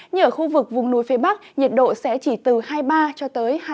như ở khu vực vùng núi phía bắc nhiệt độ sẽ chỉ từ hai mươi ba hai mươi bốn độ